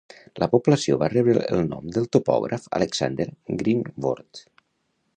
La població va rebre el nom del topògraf Alexander Greenword.